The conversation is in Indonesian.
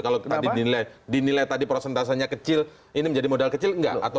kalau tadi dinilai tadi prosentasenya kecil ini menjadi modal kecil enggak